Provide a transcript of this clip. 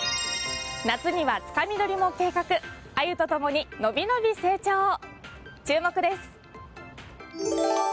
夏にはつかみ取りも計画アユと共にのびのび成長注目です。